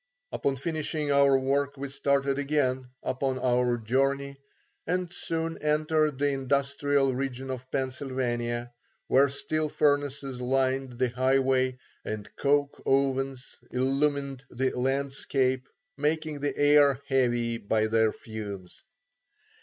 Upon finishing our work we started again upon our journey and soon entered the industrial region of Pennsylvania, where steel furnaces lined the highway and coke ovens illumined the landscape, making the air heavy by their fumes.